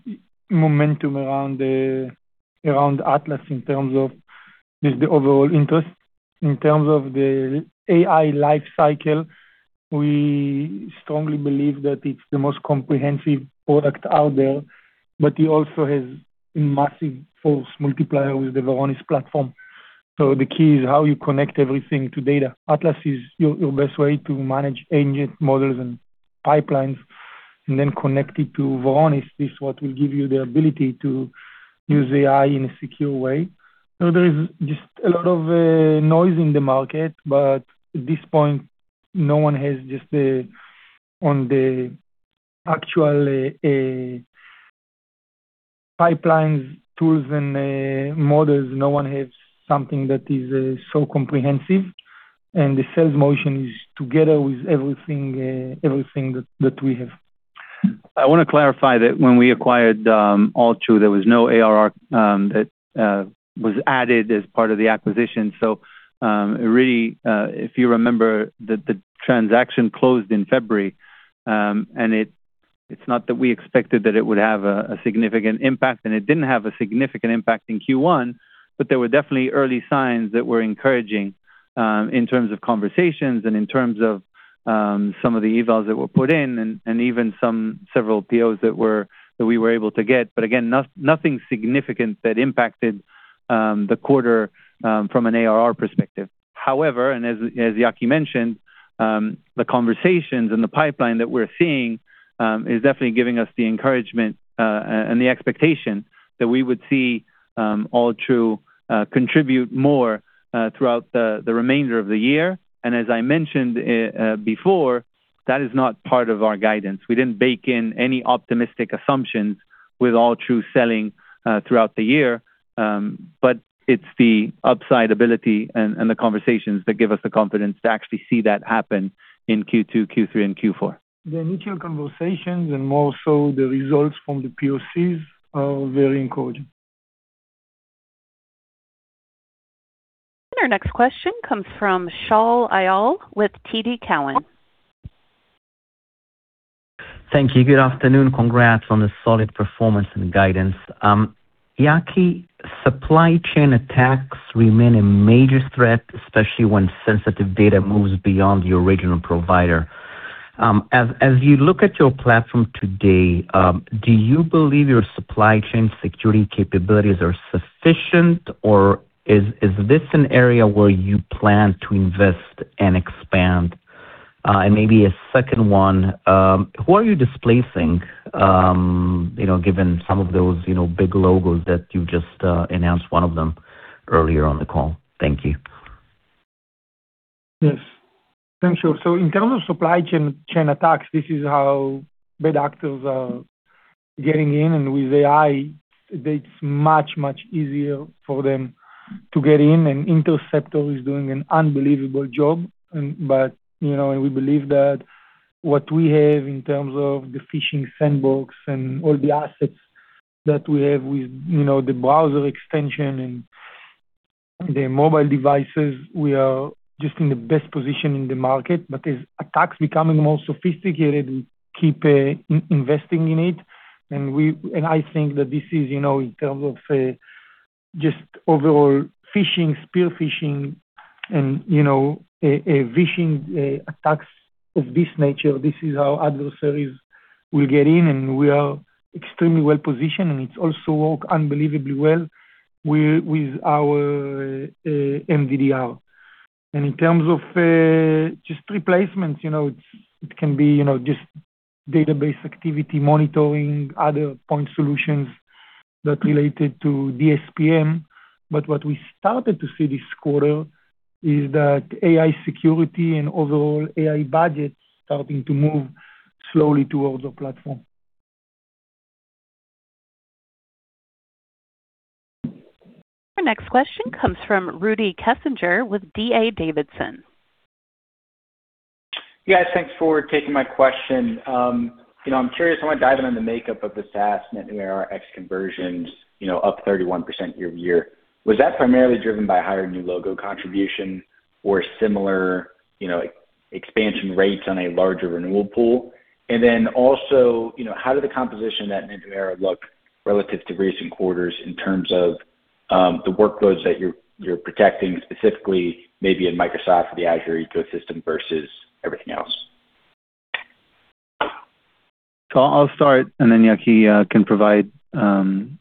momentum around Atlas in terms of just the overall interest. In terms of the AI life cycle, we strongly believe that it's the most comprehensive product out there, but it also has massive force multiplier with the Varonis platform. The key is how you connect everything to data. Atlas is your best way to manage agent models and pipelines, and then connect it to Varonis. This what will give you the ability to use AI in a secure way. There is just a lot of noise in the market, but at this point, no one has just on the actual pipelines, tools, and models, no one has something that is so comprehensive. The sales motion is together with everything that we have. I wanna clarify that when we acquired AllTrue.ai, there was no ARR that was added as part of the acquisition. It really, if you remember the transaction closed in February, and it's not that we expected that it would have a significant impact, and it didn't have a significant impact in Q1, but there were definitely early signs that were encouraging in terms of conversations and in terms of some of the evals that were put in and even some several POs that we were able to get. Again, nothing significant that impacted the quarter from an ARR perspective. However, as Yaki mentioned, the conversations and the pipeline that we're seeing, is definitely giving us the encouragement and the expectation that we would see AllTrue contribute more throughout the remainder of the year. As I mentioned before, that is not part of our guidance. We didn't bake in any optimistic assumptions with AllTrue selling throughout the year. It's the upside ability and the conversations that give us the confidence to actually see that happen in Q2, Q3, and Q4. The initial conversations and more so the results from the POCs are very encouraging. Our next question comes from Shaul Eyal with TD Cowen. Thank you. Good afternoon. Congrats on the solid performance and guidance. Yaki, supply chain attacks remain a major threat, especially when sensitive data moves beyond the original provider. As you look at your platform today, do you believe your supply chain security capabilities are sufficient, or is this an area where you plan to invest and expand? Maybe a second one, who are you displacing, you know, given some of those, you know, big logos that you just announced one of them earlier on the call? Thank you. Yes. Thanks, Shaul. In terms of supply chain attacks, this is how bad actors are getting in. With AI, it's much, much easier for them to get in, and Interceptor is doing an unbelievable job. We believe that what we have in terms of the phishing sandbox and all the assets that we have with, you know, the browser extension and the mobile devices, we are just in the best position in the market. As attacks becoming more sophisticated, we keep investing in it. I think that this is, you know, in terms of just overall phishing, spear phishing, and, you know, a vishing attacks of this nature, this is how adversaries will get in, and we are extremely well-positioned, and it's also work unbelievably well with our MDDR. In terms of, just replacements, you know, it can be, you know, just database activity monitoring, other point solutions that related to DSPM. What we started to see this quarter is that AI security and overall AI budgets starting to move slowly towards our platform. Our next question comes from Rudy Kessinger with D.A. Davidson. Yeah. Thanks for taking my question. You know, I'm curious, I wanna dive into the makeup of the SaaS NetNew and ARR ex conversions, you know, up 31% year-over-year. Was that primarily driven by higher new logo contribution or similar, you know, expansion rates on a larger renewal pool? Also, you know, how did the composition of that NetNew and ARR look relative to recent quarters in terms of the workloads that you're protecting, specifically maybe in Microsoft or the Azure ecosystem versus everything else? I'll start, and then Yaki can provide some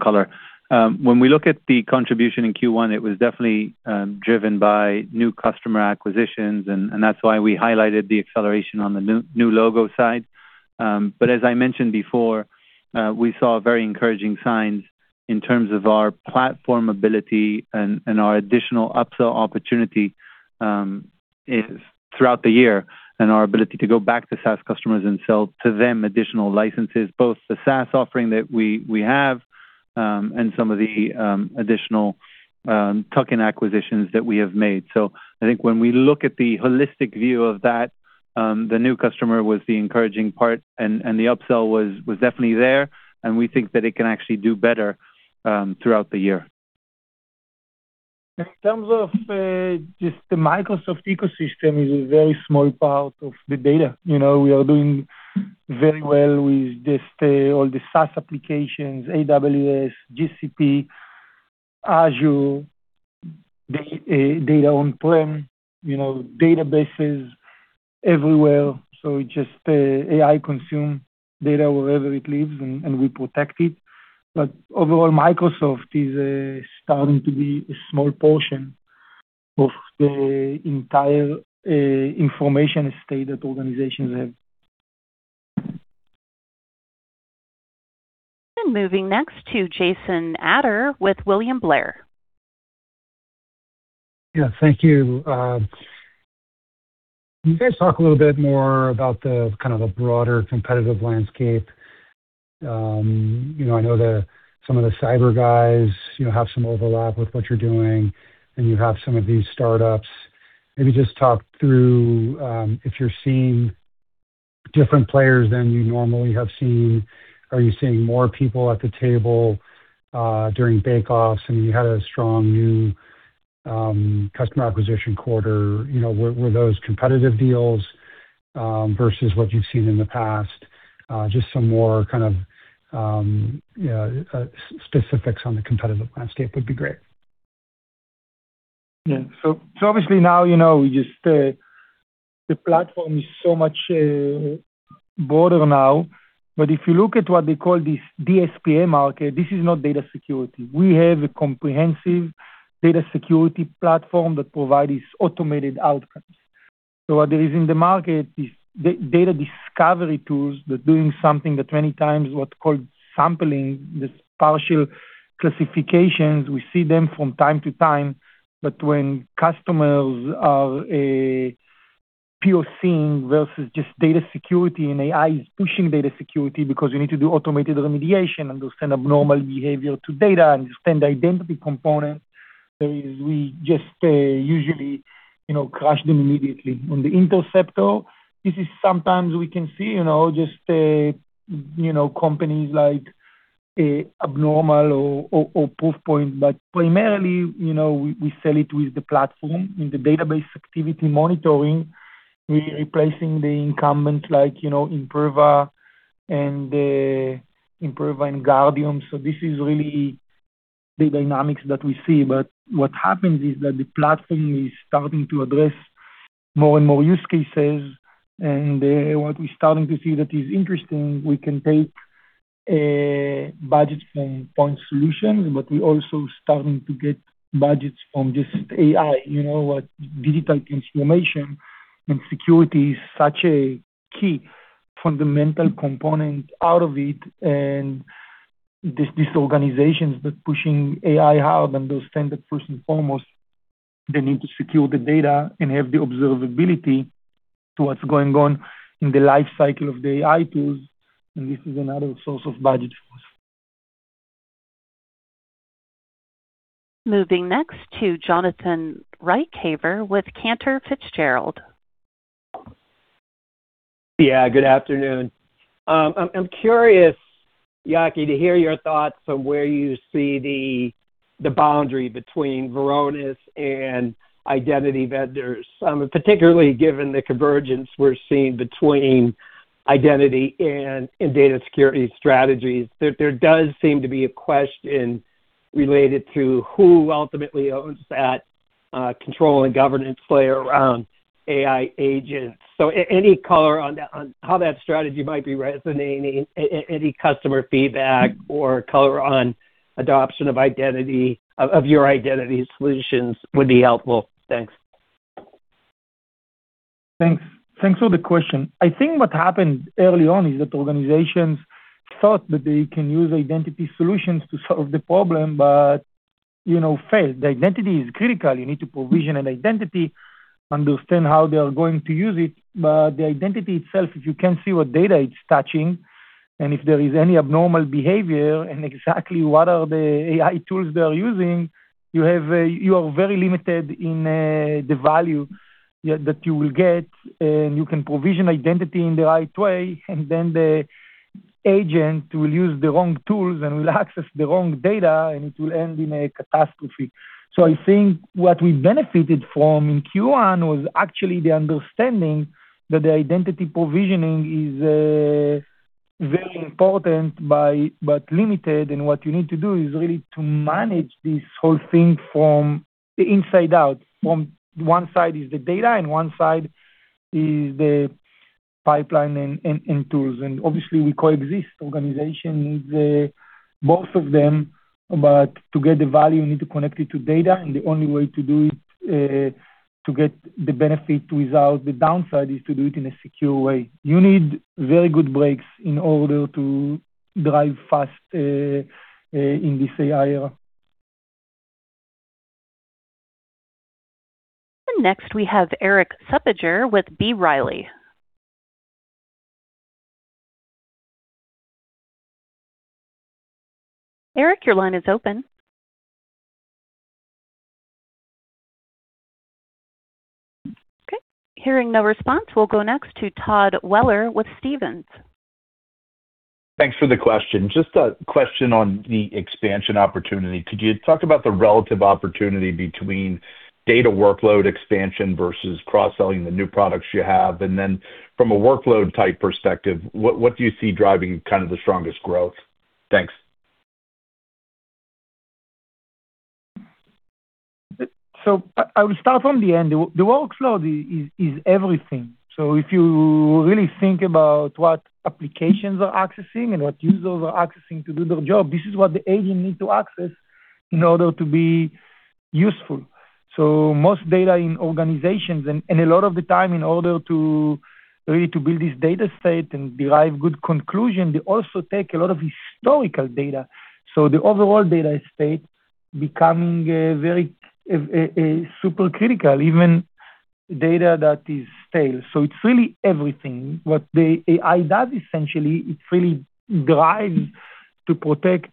color. When we look at the contribution in Q1, it was definitely driven by new customer acquisitions and that's why we highlighted the acceleration on the new logo side. As I mentioned before, we saw very encouraging signs in terms of our platform ability and our additional upsell opportunity is throughout the year and our ability to go back to SaaS customers and sell to them additional licenses, both the SaaS offering that we have and some of the additional tuck-in acquisitions that we have made. I think when we look at the holistic view of that, the new customer was the encouraging part and the upsell was definitely there, and we think that it can actually do better throughout the year. In terms of just the Microsoft ecosystem is a very small part of the data. You know, we are doing very well with just all the SaaS applications, AWS, GCP, Azure, data on-prem, you know, databases everywhere. It just AI consume data wherever it lives and we protect it. Overall, Microsoft is starting to be a small portion of the entire information estate that organizations have. Moving next to Jason Ader with William Blair. Yeah. Thank you. Can you guys talk a little bit more about the kind of the broader competitive landscape? You know, I know some of the cyber guys, you know, have some overlap with what you're doing, and you have some of these startups. Maybe just talk through if you're seeing different players than you normally have seen. Are you seeing more people at the table during bake offs? I mean, you had a strong new customer acquisition quarter. You know, were those competitive deals versus what you've seen in the past? Just some more kind of specifics on the competitive landscape would be great. Yeah. Obviously now, you know, we just, the platform is so much broader now. If you look at what they call this DSPM market, this is not data security. We have a comprehensive Data Security Platform that provides automated outcomes. What there is in the market is data discovery tools that doing something that many times what's called sampling, this partial classifications. We see them from time to time, when customers are POCing versus just data security, and AI is pushing data security because you need to do automated remediation, understand abnormal behavior to data, understand the identity component, we just, usually, you know, crush them immediately. On the Interceptor, though, this is sometimes we can see, you know, just, you know, companies like, Abnormal Security or Proofpoint. Primarily, you know, we sell it with the platform. In the database activity monitoring, we're replacing the incumbent like, you know, Imperva and Guardium. This is really the dynamics that we see. What happens is that the platform is starting to address more and more use cases. What we're starting to see that is interesting, we can take budgets from point solutions, but we're also starting to get budgets from just AI. You know what? Digital transformation and security is such a key fundamental component out of it. These organizations that pushing AI hard understand that first and foremost, they need to secure the data and have the observability to what's going on in the life cycle of the AI tools, and this is another source of budget for us. Moving next to Jonathan Ruykhaver with Cantor Fitzgerald. Yeah, good afternoon. I'm curious, Yaki, to hear your thoughts on where you see the boundary between Varonis and identity vendors, particularly given the convergence we're seeing between identity and data security strategies. There does seem to be a question related to who ultimately owns that control and governance layer around AI agents. any color on that on how that strategy might be resonating, any customer feedback or color on adoption of identity of your identity solutions would be helpful. Thanks. Thanks. Thanks for the question. I think what happened early on is that organizations thought that they can use identity solutions to solve the problem, but, you know, failed. The identity is critical. You need to provision an identity, understand how they are going to use it. The identity itself, if you can't see what data it's touching and if there is any abnormal behavior and exactly what are the AI tools they are using, you are very limited in the value that you will get. You can provision identity in the right way, then the agent will use the wrong tools and will access the wrong data, and it will end in a catastrophe. I think what we benefited from in Q1 was actually the understanding that the identity provisioning is Very important by, but limited, and what you need to do is really to manage this whole thing from the inside out. From one side is the data, and one side is the pipeline and tools. Obviously we coexist. Organization needs both of them, but to get the value, you need to connect it to data, and the only way to do it to get the benefit without the downside is to do it in a secure way. You need very good brakes in order to drive fast in this AI era. Next we have Erik Suppiger with B. Riley. Erik, your line is open. Okay, hearing no response, we'll go next to Todd Weller with Stephens. Thanks for the question. Just a question on the expansion opportunity. Could you talk about the relative opportunity between data workload expansion versus cross-selling the new products you have? Then from a workload type perspective, what do you see driving kind of the strongest growth? Thanks. I will start from the end. The workload is everything. If you really think about what applications are accessing and what users are accessing to do their job, this is what the agent needs to access in order to be useful. Most data in organizations and a lot of the time in order to really build this data state and derive good conclusion, they also take a lot of historical data. The overall data estate becoming very supercritical, even data that is stale. It's really everything. What the AI does essentially, it really drives to protect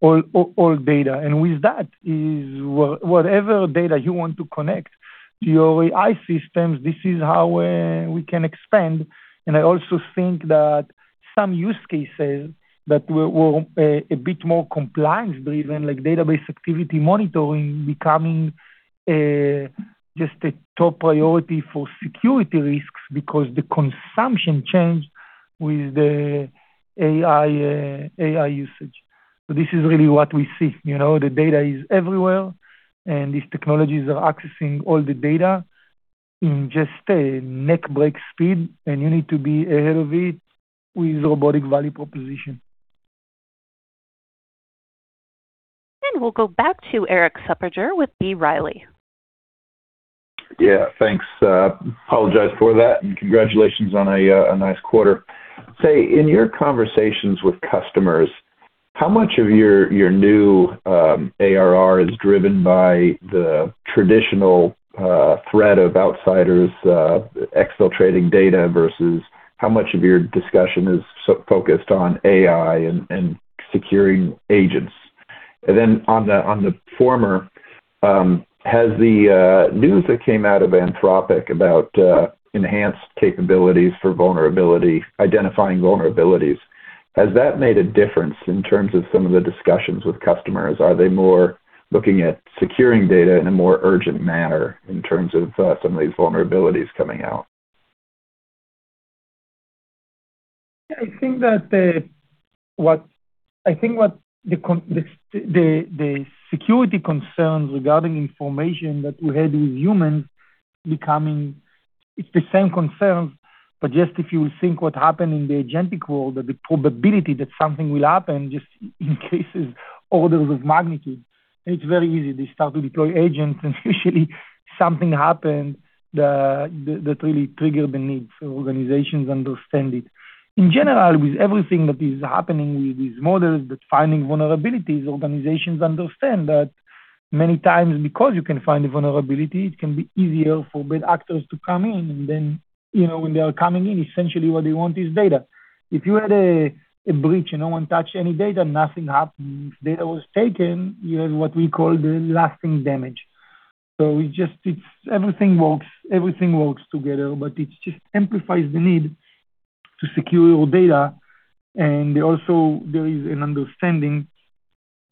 all data. With that is whatever data you want to connect to your AI systems, this is how we can expand. I also think that some use cases that were a bit more compliance driven, like database activity monitoring becoming just a top priority for security risks because the consumption changed with the AI AI usage. This is really what we see. You know, the data is everywhere, and these technologies are accessing all the data in just a neck-break speed, and you need to be ahead of it with Varonis value proposition. We'll go back to Erik Suppiger with B. Riley. Yeah, thanks. Apologize for that, and congratulations on a nice quarter. Say, in your conversations with customers, how much of your new ARR is driven by the traditional threat of outsiders exfiltrating data versus how much of your discussion is focused on AI and securing agents? Then on the, on the former, has the news that came out of Anthropic about enhanced capabilities for identifying vulnerabilities, has that made a difference in terms of some of the discussions with customers? Are they more looking at securing data in a more urgent manner in terms of some of these vulnerabilities coming out? Yeah, I think that the security concerns regarding information that we had with humans. It's the same concerns, just if you think what happened in the agentic world, that the probability that something will happen just increases orders of magnitude. It's very easy to start to deploy agents, usually something happens that really trigger the need for organizations to understand it. In general, with everything that is happening with these models, with finding vulnerabilities, organizations understand that many times because you can find a vulnerability, it can be easier for bad actors to come in. You know, when they are coming in, essentially what they want is data. If you had a breach and no one touched any data, nothing happened. If data was taken, you have what we call the lasting damage. It just, it's everything works, everything works together, but it just amplifies the need to secure your data. Also there is an understanding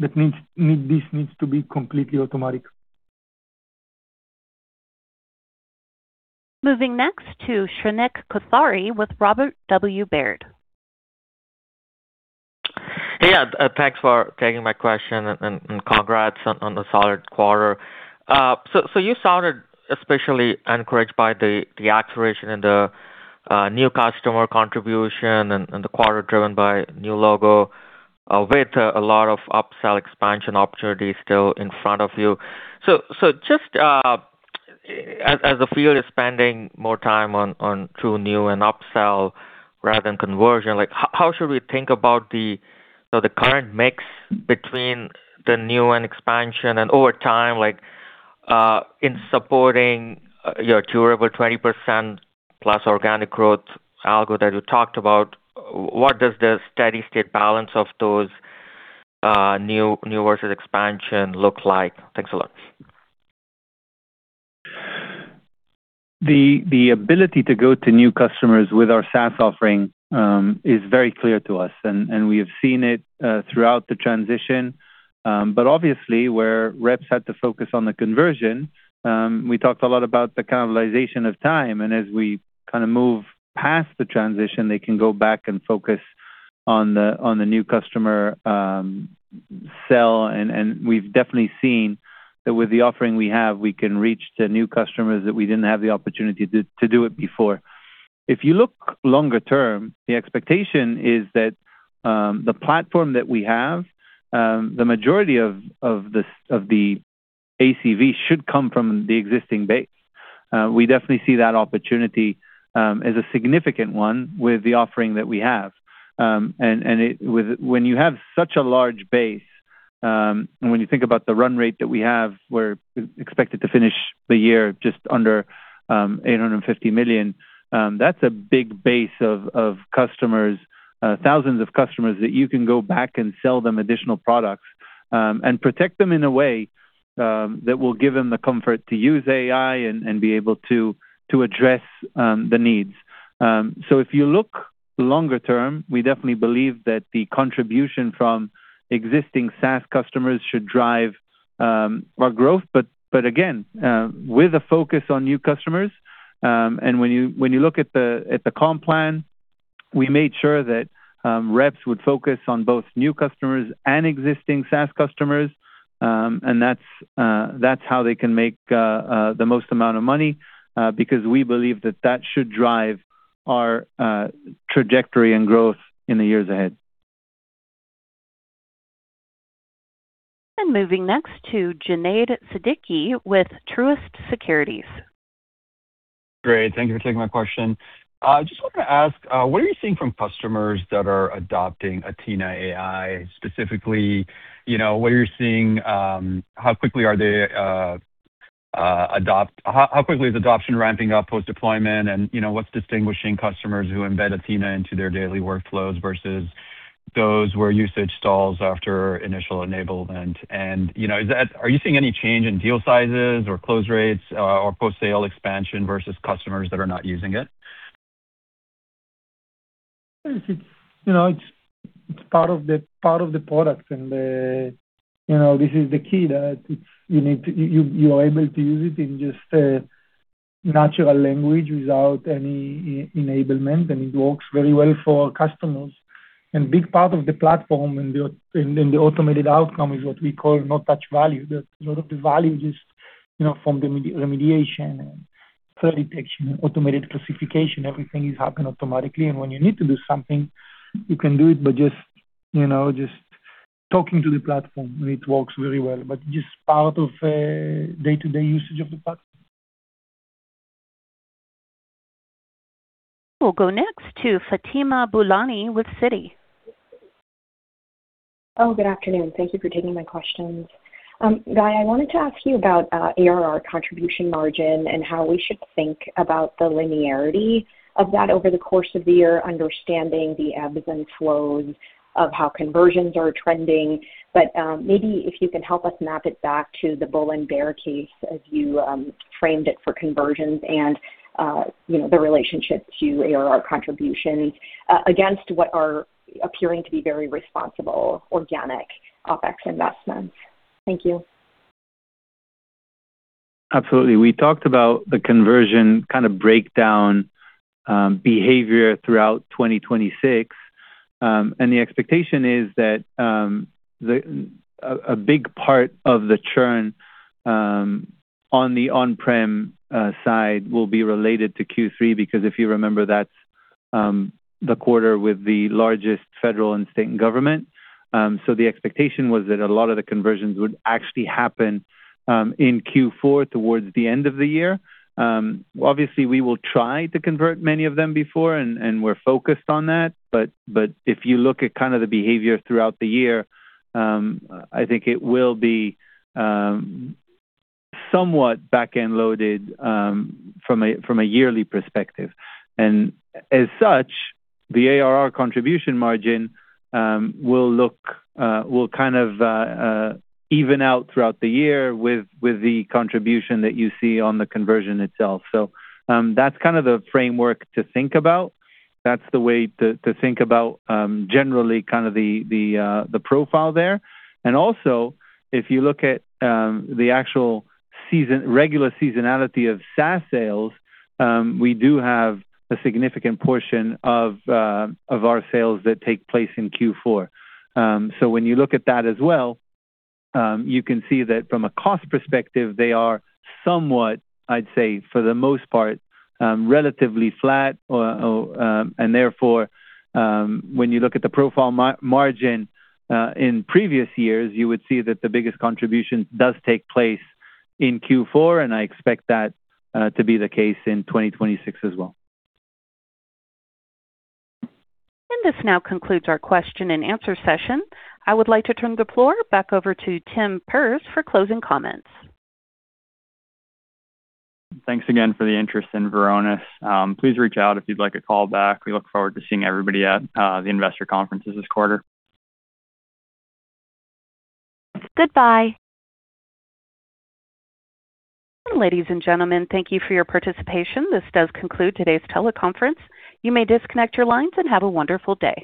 that needs, this needs to be completely automatic. Moving next to Shrenik Kothari with Robert W. Baird. Yeah, thanks for taking my question and congrats on the solid quarter. You sounded especially encouraged by the acceleration in the new customer contribution and the quarter driven by new logo with a lot of upsell expansion opportunities still in front of you. Just as the field is spending more time on true new and upsell rather than conversion, like, how should we think about the, you know, the current mix between the new and expansion and over time, like, in supporting your durable 20%+ organic growth algo that you talked about, what does the steady-state balance of those new versus expansion look like? Thanks a lot. The ability to go to new customers with our SaaS offering is very clear to us, and we have seen it throughout the transition. Obviously where reps had to focus on the conversion, we talked a lot about the cannibalization of time. As we kinda move past the transition, they can go back and focus on the new customer sell. We've definitely seen that with the offering we have, we can reach to new customers that we didn't have the opportunity to do it before. If you look longer term, the expectation is that the platform that we have, the majority of the ACV should come from the existing base. We definitely see that opportunity as a significant one with the offering that we have. When you have such a large base, and when you think about the run rate that we have, we're expected to finish the year just under $850 million, that's a big base of customers, thousands of customers that you can go back and sell them additional products, and protect them in a way that will give them the comfort to use AI and be able to address the needs. If you look longer term, we definitely believe that the contribution from existing SaaS customers should drive our growth. Again, with a focus on new customers, when you look at the comp plan, we made sure that reps would focus on both new customers and existing SaaS customers. That's how they can make the most amount of money because we believe that that should drive our trajectory and growth in the years ahead. Moving next to Junaid Siddiqui with Truist Securities. Great. Thank you for taking my question. I just wanted to ask, what are you seeing from customers that are adopting Athena AI? Specifically, you know, what are you seeing, how quickly is adoption ramping up post-deployment? You know, what's distinguishing customers who embed Athena into their daily workflows versus those where usage stalls after initial enablement? You know, are you seeing any change in deal sizes or close rates or post-sale expansion versus customers that are not using it? It's, you know, it's part of the, part of the product and the, you know, this is the key that you are able to use it in just a natural language without any e-enablement, and it works very well for our customers. Big part of the platform and the automated outcome is what we call no touch value. A lot of the value is, you know, from the remediation and threat detection and automated classification. Everything is happen automatically. When you need to do something, you can do it by just, you know, talking to the platform, and it works very well. Just part of day-to-day usage of the platform. We'll go next to Fatima Boolani with Citi. Good afternoon. Thank you for taking my questions. Guy, I wanted to ask you about ARR contribution margin and how we should think about the linearity of that over the course of the year, understanding the ebbs and flows of how conversions are trending. Maybe if you can help us map it back to the bull and bear case as you framed it for conversions and, you know, the relationship to ARR contributions against what are appearing to be very responsible organic OpEx investments. Thank you. Absolutely. We talked about the conversion kinda breakdown, behavior throughout 2026. The expectation is that a big part of the churn on the on-prem side will be related to Q3, because if you remember, that's the quarter with the largest federal and state government. The expectation was that a lot of the conversions would actually happen in Q4 towards the end of the year. Obviously we will try to convert many of them before, and we're focused on that. If you look at kinda the behavior throughout the year, I think it will be somewhat back-end loaded from a yearly perspective. As such, the ARR contribution margin will look, will kind of even out throughout the year with the contribution that you see on the conversion itself. That's kind of the framework to think about. That's the way to think about generally kind of the profile there. Also, if you look at the actual regular seasonality of SaaS sales, we do have a significant portion of our sales that take place in Q4. When you look at that as well, you can see that from a cost perspective, they are somewhat, I'd say, for the most part, relatively flat or. Therefore, when you look at the profile margin, in previous years, you would see that the biggest contribution does take place in Q4, and I expect that to be the case in 2026 as well. This now concludes our question and answer session. I would like to turn the floor back over to Tim Perz for closing comments. Thanks again for the interest in Varonis. Please reach out if you'd like a call back. We look forward to seeing everybody at the investor conferences this quarter. Goodbye. Ladies and gentlemen, thank you for your participation. This does conclude today's teleconference. You may disconnect your lines and have a wonderful day.